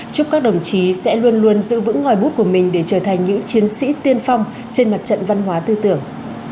chúc các đồng chí sẽ luôn luôn giữ vững ngòi bút của mình để trở thành những chiến sĩ tiên phong trên mặt trận văn hóa tư tưởng